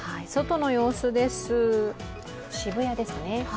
外の様子です、渋谷ですね。